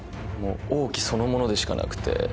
王騎そのものでしかなくて。